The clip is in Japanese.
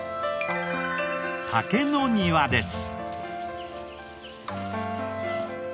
竹の庭です。